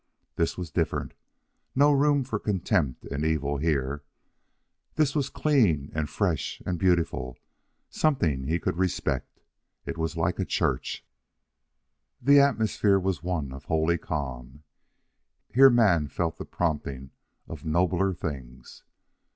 This was different. No room for contempt and evil here. This was clean and fresh and beautiful something he could respect. It was like a church. The atmosphere was one of holy calm. Here man felt the prompting of nobler things.